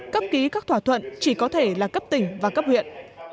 cấp ký các thỏa thuận chỉ có thể là cấp tỉnh và cấp huyện